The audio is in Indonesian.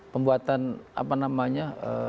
pembuatan apa namanya